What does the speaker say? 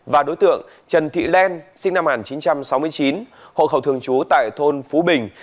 và đối tượng trần thị len sinh năm một nghìn chín trăm sáu mươi chín hộ khẩu thường trú tại thôn phú bình